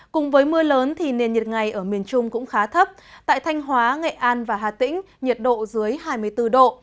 cùng với mưa lớn thì nền nhiệt ngày ở miền trung cũng khá thấp tại thanh hóa nghệ an và hà tĩnh nhiệt độ dưới hai mươi bốn độ